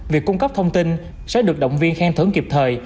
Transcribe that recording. việc cung cấp thông tin sẽ được động viên khen thưởng kịp thời